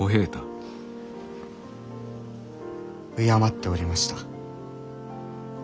敬っておりました。